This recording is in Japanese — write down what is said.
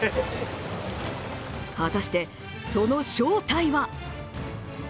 果たして、その正体は。